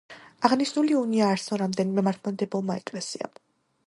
აღნიშნული უნია არ სცნო რამდენიმე მართლმადიდებელმა ეკლესიამ.